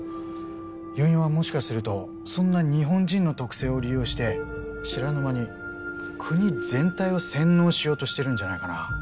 ４４はもしかするとそんな日本人の特性を利用して知らぬ間に国全体を洗脳しようとしているんじゃないかな。